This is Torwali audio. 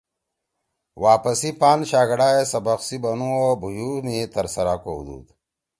واپسی پان شاگڑا ئے سبق سی بنُو او بُھویؤ می ترسرا کؤدُود